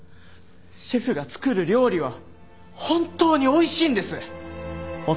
シェフが作る料理は本当においしいんです！